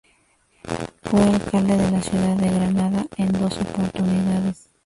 Fue alcalde de la ciudad de Granada en dos oportunidades.